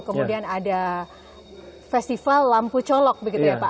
kemudian ada festival lampu colok begitu ya pak